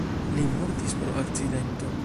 Li mortis pro akcidento.